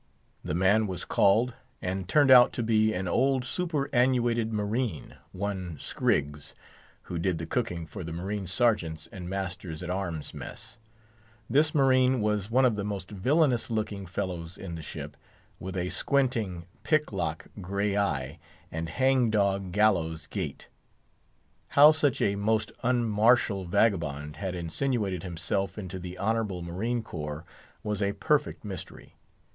The man was called, and turned out to be an old superannuated marine, one Scriggs, who did the cooking for the marine sergeants and masters at arms' mess. This marine was one of the most villainous looking fellows in the ship, with a squinting, pick lock, gray eye, and hang dog gallows gait. How such a most unmartial vagabond had insinuated himself into the honourable marine corps was a perfect mystery.